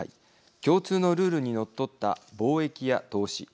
共通のルールにのっとった貿易や投資。